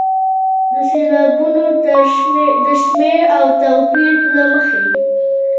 د سېلابونو د شمېر او توپیر له مخې.